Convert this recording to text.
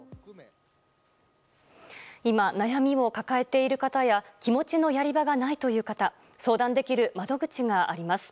今、悩みを抱えている方や気持ちのやり場がないという方相談できる窓口があります。